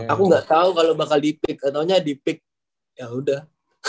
aku gak tau kalau bakal di pik ataunya di pik yaudah